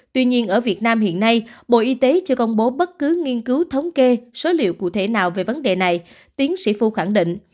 tuy nhiên ở việt nam hiện nay bộ y tế chưa công bố bất cứ nghiên cứu thống kê số liệu cụ thể nào về vấn đề này tiến sĩ phu khẳng định